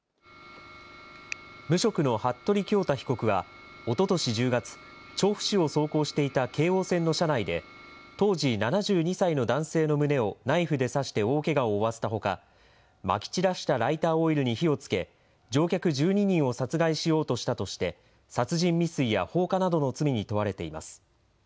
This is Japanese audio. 無職の服部恭太被告はおととし１０月、調布市を走行していた京王線の車内で、当時７２歳の男性の胸をナイフで刺して大けがを負わせたほか、まき散らしたライターオイルに火をつけ、乗客１２人を殺害しようとしたとして、殺人未遂や放火などの罪に問われています。